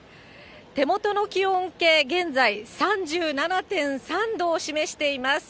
手元の気温計、現在３７．３度を示しています。